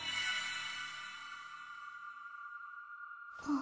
あ。